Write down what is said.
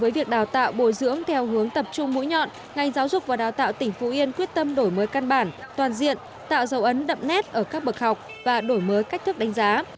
với việc đào tạo bồi dưỡng theo hướng tập trung mũi nhọn ngành giáo dục và đào tạo tỉnh phú yên quyết tâm đổi mới căn bản toàn diện tạo dấu ấn đậm nét ở các bậc học và đổi mới cách thức đánh giá